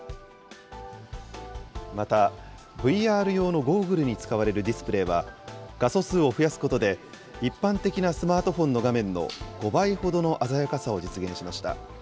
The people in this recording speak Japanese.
また、ＶＲ用のゴーグルに使われるディスプレーは、画素数を増やすことで、一般的なスマートフォンの画面の５倍ほどの鮮やかさを実現しました。